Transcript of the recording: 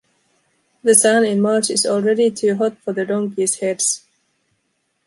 The sun in March is already too hot for the donkeys’ heads.